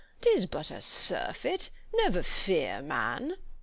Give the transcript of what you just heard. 'Tis but a surfeit; never fear, man.